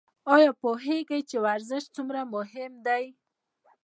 ایا پوهیږئ چې ورزش څومره مهم دی؟